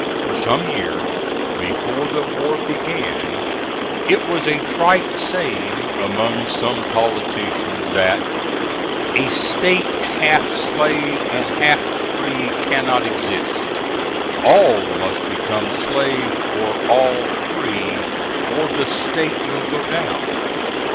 For some years before the war began it was a trite saying among some politicians that "A state half slave and half free cannot exist." All must become slave or all free, or the state will go down.